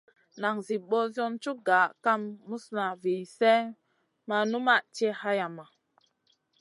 Nan Zi ɓosion cug gah kam muzna vi slèh ma numʼma ti hayama.